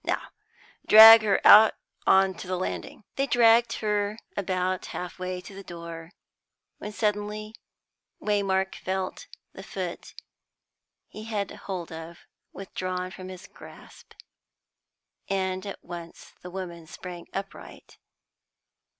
Now, drag her out on to the landing." They dragged her about half way to the door, when suddenly Waymark felt the foot he had hold of withdrawn from his grasp, and at once the woman sprang upright.